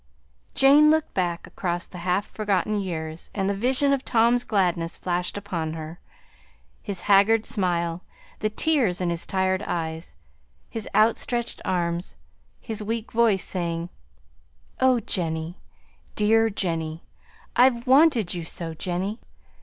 Jane looked back across the half forgotten years, and the vision of Tom's gladness flashed upon her: his haggard smile, the tears in his tired eyes, his outstretched arms, his weak voice saying, "Oh, Jenny! Dear Jenny! I've wanted you so, Jenny!"